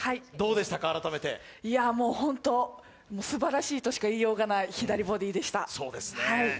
すばらしいとしか言いようがない、左ボディでした。